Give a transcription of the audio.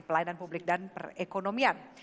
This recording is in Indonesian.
pelayanan publik dan perekonomian